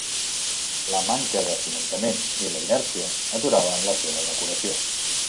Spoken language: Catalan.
La manca de finançament i la inèrcia aturaven la seva decoració.